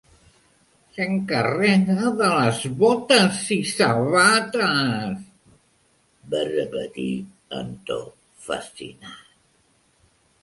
"S'encarrega de les botes i sabates", va repetir en to fascinat.